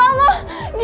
non ya allah